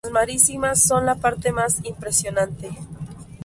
Las marismas son la parte más impresionante.